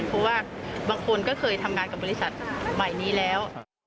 เพราะว่าบางคนก็เคยทำงานกับบริษัทใหม่นี้แล้ว